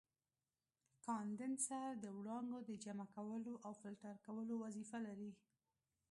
کاندنسر د وړانګو د جمع کولو او فلټر کولو وظیفه لري.